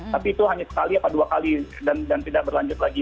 tapi itu hanya sekali dua kali dan tidak berlanjut lagi